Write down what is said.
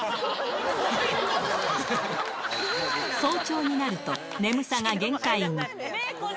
早朝になると、眠さが限界に。